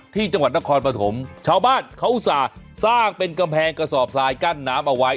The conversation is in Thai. ที่จังหวัดนครปฐมชาวบ้านเขาอุตส่าห์สร้างเป็นกำแพงกระสอบทรายกั้นน้ำเอาไว้